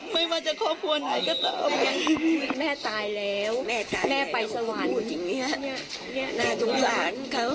ไม่ว่าจะครอบครัวไหนก็ต้องแม่ตายแล้วแม่ตายแม่ไปสวรรค์อย่างนี้น่าสงสารเขา